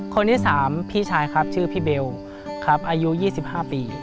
คนที่๓พี่ชายครับชื่อพี่เบลครับอายุ๒๕ปี